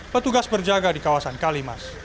petugas berjaga di kawasan kalimas